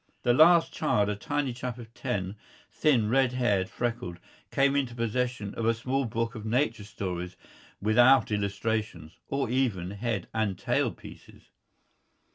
The last child, a tiny chap of ten, thin, red haired, freckled, came into possession of a small book of nature stories without illustrations or even head and tail pieces.